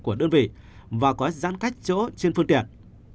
của đơn vị và có giãn cách chỗ trên phương tiện